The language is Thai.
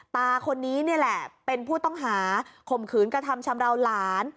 ตาคนนี้นี่แหละเป็นผู้ต้องหาข่มขืนกระทำชำราวหลาน